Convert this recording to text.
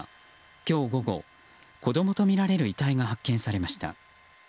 今日午後子供とみられる遺体が発見されました。